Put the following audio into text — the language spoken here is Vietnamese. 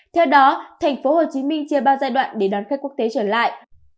theo đó thành phố hồ chí minh chia ba giai đoạn để đón khách quốc tế trở lại